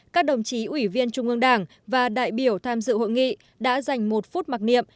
các đồng chí ủy viên trung ương đảng và đại biểu tham dự hội nghị đã dành một phút mặc niệm